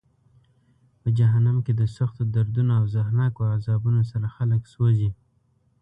په جهنم کې د سختو دردونو او زهرناکو عذابونو سره خلک سوزي.